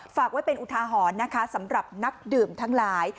ฝากไว้เป็นอุทาหรณ์นะคะสำหรับนักดื่มทั้งหลาย